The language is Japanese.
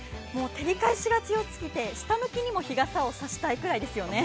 照り返しが強すぎて、下向きにも日傘を差したいぐらいですよね。